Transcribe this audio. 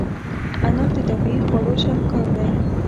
انار د طبیعي خواړو شاهکار دی.